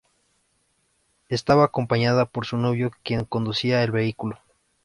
Estaba acompañada por su novio quien conducía el vehículo.